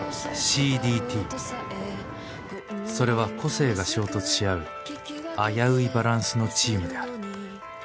ＣＤＴそれは個性が衝突し合う危ういバランスのチームである。